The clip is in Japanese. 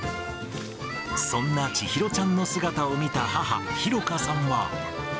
そんな千尋ちゃんの姿を見た母、裕香さんは。